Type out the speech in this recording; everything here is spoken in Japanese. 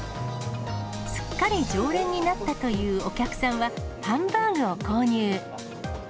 すっかり常連になったというお客さんは、ハンバーグを購入。